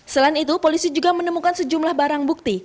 selain itu polisi juga menemukan sejumlah barang bukti